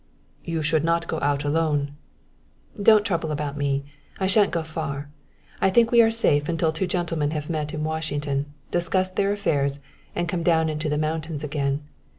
"You should not go out alone " "Don't trouble about me; I shan't go far. I think we are safe until two gentlemen have met in Washington, discussed their affairs, and come down into the mountains again.